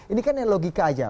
ini kan yang logika aja